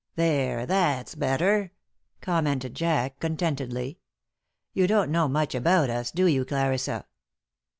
"There, that's better," commented Jack, contentedly. "You don't know much about us, do you, Clarissa?"